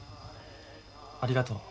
ありがとう。